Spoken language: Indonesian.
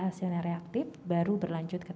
hasilnya reaktif baru berlanjut ke